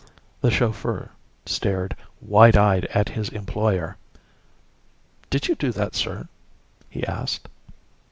The chauffeur stared wide eyed at his employer. "Did you do that, sir?" he asked.